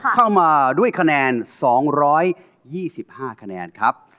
เข้ามาด้วยคะแนน๒๒๕คะแนนครับ